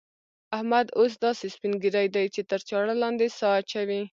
احمد اوس داسې سپين ږيری دی چې تر چاړه لاندې سا اچوي.